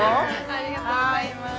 ありがとうございます。